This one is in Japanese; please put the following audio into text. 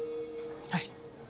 はい。